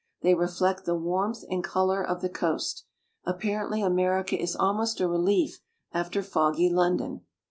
They reflect the warmth and color of the coast. Apparently America is almost a relief after foggy London.